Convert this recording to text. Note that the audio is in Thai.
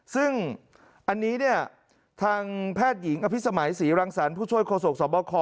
ซึ่งอันนี้เนี่ยทางแพทย์หญิงอภิษมัยศรีรังสรรค์ผู้ช่วยโฆษกสบค